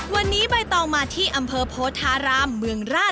วันนี้ไม่ต้องจะพาคุณผู้ชมย้อนวัยกลับไปเป็นวัยเด็กอีกครั้งนะคะ